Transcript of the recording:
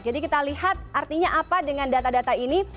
jadi kita lihat artinya apa dengan data data ini